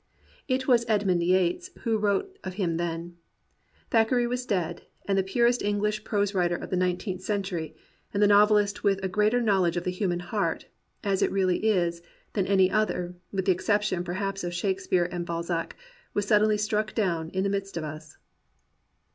It was Edmund Yates who wrote of him then: "Thackeray was dead; and the purest English prose writer of the nineteenth century and the novel ist with a greater knowledge of the human heart, as it really is, than any other — with the exception perhaps of Shakespeare and Balzac — was suddenly struck down in the midst of us."